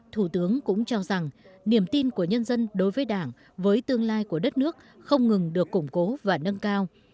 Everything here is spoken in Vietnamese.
thủ tướng cũng cho rằng niềm tin của nhân dân đối với đảng với tương lai của đất nước không ngừng được củng cố và nâng cao